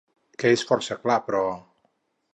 Què és força clar, però?